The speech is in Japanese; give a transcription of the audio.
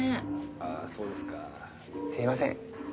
あぁそうですか。すいません。